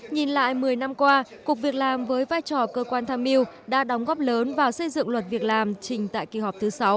nhìn lại một mươi năm qua cục việc làm với vai trò cơ quan tham mưu đã đóng góp lớn vào xây dựng luật việc làm trình tại kỳ họp thứ sáu